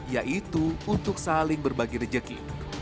yaitu untuk saling berbagi rejeki